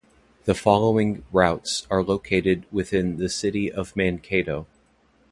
The following routes are located within the city of Mankato.